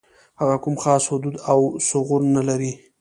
هغه کوم خاص حدود او ثغور نه لري.